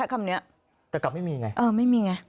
แต่กลับงั้นไม่มีอย่างไรไม่มีอย่างไร